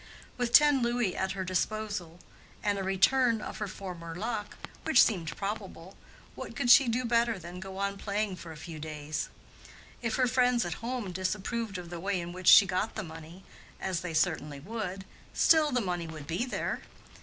With ten louis at her disposal and a return of her former luck, which seemed probable, what could she do better than go on playing for a few days? If her friends at home disapproved of the way in which she got the money, as they certainly would, still the money would be there.